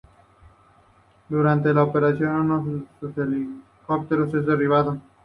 Durante la operación, uno de sus helicópteros es derribado.